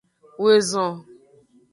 Woezon.